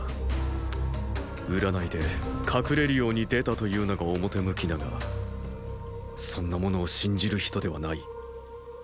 卜で隠れるように出たというのが表向きだがそんなものを信じる人ではない。